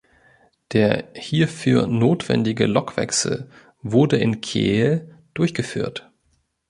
Der hierfür notwendige Lokwechsel wurde in Kehl durchgeführt.